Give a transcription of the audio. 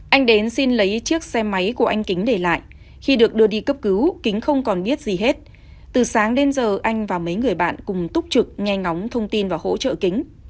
anh đến xin lấy chiếc xe máy của anh kính để lại khi được đưa đi cấp cứu kính không còn biết gì hết từ sáng đến giờ anh và mấy người bạn cùng túc trực nghe ngóng thông tin và hỗ trợ kính